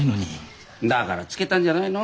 だからつけたんじゃないの？